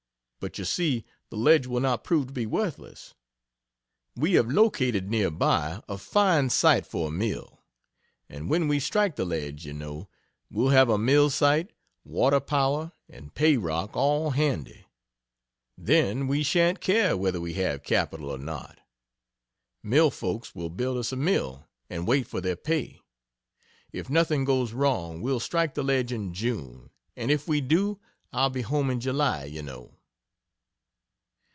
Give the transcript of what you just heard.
But you see, the ledge will not prove to be worthless. We have located, near by, a fine site for a mill; and when we strike the ledge, you know, we'll have a mill site, water power, and pay rock, all handy. Then we shan't care whether we have capital or not. Mill folks will build us a mill, and wait for their pay. If nothing goes wrong, we'll strike the ledge in June and if we do, I'll be home in July, you know.